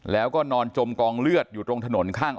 แล้วก็นอนจมกองเลือดอยู่ตรงถนนข้าง